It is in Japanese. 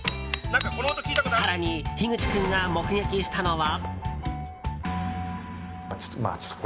更に、ひぐち君が目撃したのは。